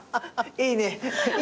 いいね。